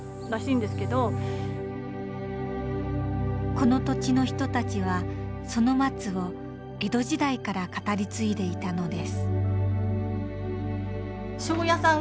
この土地の人たちはその松を江戸時代から語り継いでいたのです